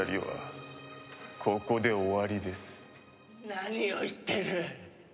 何を言ってる。